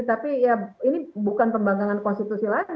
tapi ya ini bukan pembangkangan konstitusi lagi